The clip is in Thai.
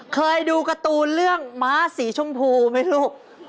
เคยดูการ์ตูนเรื่องม้าสีชมพูไหมลูก